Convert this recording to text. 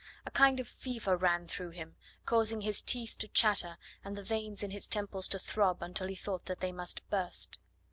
A kind of fever ran through him, causing his teeth to chatter and the veins in his temples to throb until he thought that they must burst.